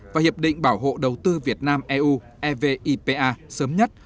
và hiệp định bảo hộ đầu tư việt nam eu evipa sớm nhất